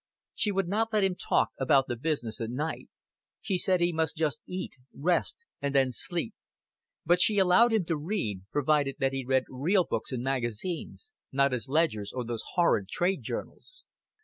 She would not let him talk about the business at night. She said he must just eat, rest, and then sleep; but she allowed him to read, provided that he read real books and magazines, not his ledgers or those horrid trade journals.